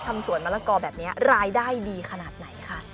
สวนมะละกอแบบนี้รายได้ดีขนาดไหนคะ